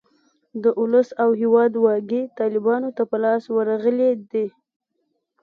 د اولس او هیواد واګې طالیبانو ته په لاس ورغلې دي.